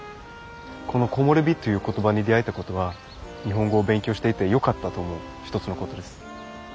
この「木漏れ日」という言葉に出会えたことは日本語を勉強していてよかったと思う一つのことです。